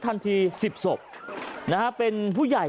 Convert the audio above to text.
โอ้โหพังเรียบเป็นหน้ากล่องเลยนะครับ